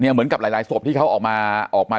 เหมือนกับหลายศพที่เขาออกมา